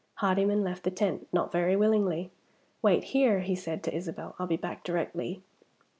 Hardyman left the tent, not very willingly. "Wait here," he said to Isabel; "I'll be back directly."